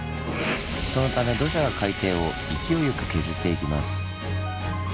そのため土砂が海底を勢いよく削っていきます。